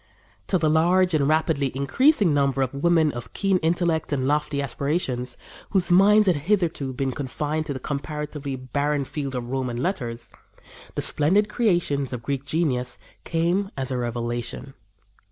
To the large and rapidly increasing number of women of keen intellect and lofty aspirations, whose minds had hitherto been confined to the comparatively barren field of Roman letters, the splendid creations of Greek genius came as a revelation.